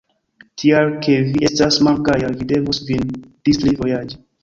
Tial ke vi estas malgaja, vi devus vin distri, vojaĝi.